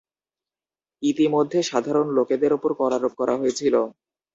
ইতিমধ্যে, সাধারণ লোকেদের ওপর কর আরোপ করা হয়েছিল।